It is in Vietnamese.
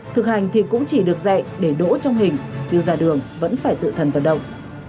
thực hành thì cũng chỉ được dạy để đỗ trong hình chứ ra đường vẫn phải tự thần vận động